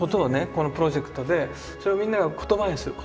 このプロジェクトでそれをみんなが言葉にする。